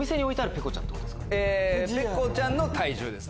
ペコちゃんの体重です。